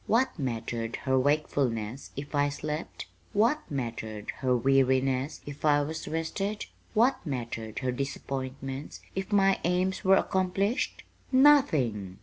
What mattered her wakefulness if I slept? What mattered her weariness if I was rested? What mattered her disappointments if my aims were accomplished? Nothing!"